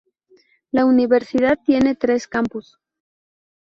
La universidad tiene tres campus.